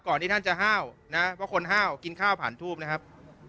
ที่ท่านจะห้าวนะเพราะคนห้าวกินข้าวผ่านทูบนะครับ